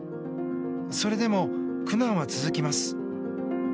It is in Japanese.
それでも苦難は続きます。